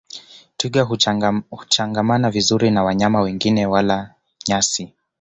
Twiga huchangamana vizuri na wanyama wengine wala nyasi